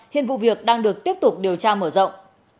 hiện vụ việc đang được tiếp tục điều tra mở rộng